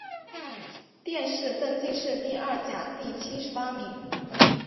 殿试登进士第二甲第七十八名。